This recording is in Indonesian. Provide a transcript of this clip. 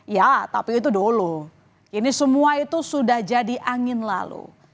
ya tapi itu dulu ini semua itu sudah jadi angin lalu